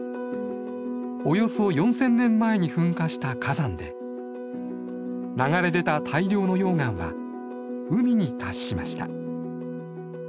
およそ４，０００年前に噴火した火山で流れ出た大量の溶岩は海に達しました。